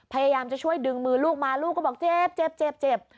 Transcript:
พยายามจะช่วยดึงมือลูกมาลูกก็บอกเจ็บเจ็บ